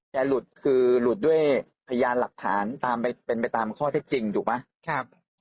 หลุดคือหลุดด้วยพยานหลักฐานตามเป็นไปตามข้อเท็จจริงถูกไหม